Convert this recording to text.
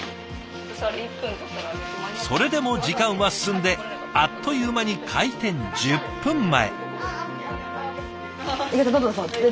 それでも時間は進んであっという間に開店１０分前。